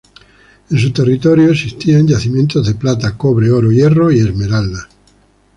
En su territorio existían yacimientos de plata, cobre, oro, hierro y esmeraldas.